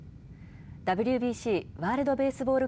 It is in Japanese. ＷＢＣ・ワールドベースボール